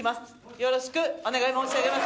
よろしくお願い申し上げます。